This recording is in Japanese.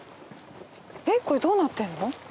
えっこれどうなってるの？